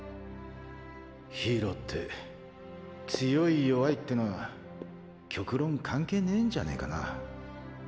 ヒーローって強い弱いってのは極論関係ねぇんじゃねぇかな？？